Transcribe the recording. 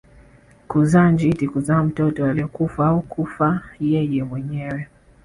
Kuzaa njiti kuzaa mtoto aliyekufa au kufa yeye mwenyewe